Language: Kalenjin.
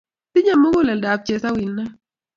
Tinyei muguleldab chesawilnat